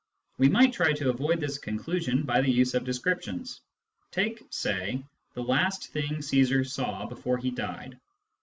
We might try to avoid this conclusion by the use of descriptions. Take (say) " the last thing Caesar saw before he died."